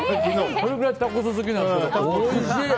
それくらいタコス好きなんですけど、おいしい！